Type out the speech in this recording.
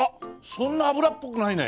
そんな油っぽくないね。